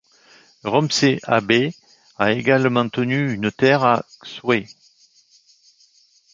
Romsey Abbey a également tenu une terre à Sway.